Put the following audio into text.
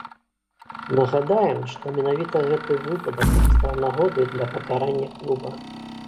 Нагадаем, што менавіта гэты выпадак стаў нагодай для пакарання клуба.